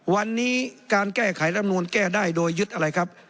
วันนี้การแก้ไขรำนูลแก้ได้โดยยึดอะไรครับ